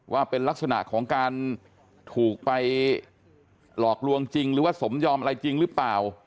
ว่าเป็นลักษณะของการถูกไปหลอกลวงจริงหรือว่าสมยอมอะไรจริงหรือเปล่า